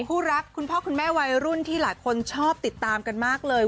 คู่รักคุณพ่อคุณแม่วัยรุ่นที่หลายคนชอบติดตามกันมากเลย